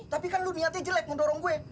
tapi kan lu niatnya jelek mendorong gue